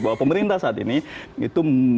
bahwa pemerintah saat ini itu